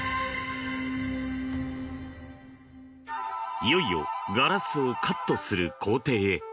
いよいよガラスをカットする工程へ。